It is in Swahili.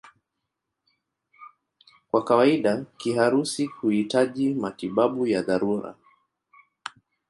Kwa kawaida kiharusi huhitaji matibabu ya dharura.